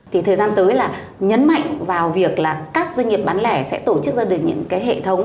thì thời gian tới là nhấn mạnh vào việc là các doanh nghiệp bán lẻ sẽ tổ chức ra được những cái hệ thống